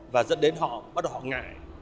và dẫn đến họ bắt đầu họ ngại